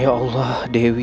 ya allah dewi